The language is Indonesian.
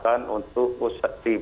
kemudian hascat kemudian kemudian lake